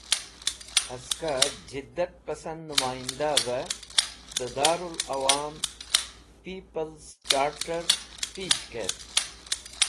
Haska Jiddat Pasand Numoyindave de Darul Awam “Peoples Charter” pish kert.